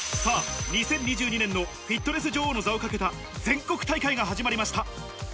２０２２年のフィットネス女王の座をかけた全国大会が始まりました。